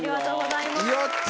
やった！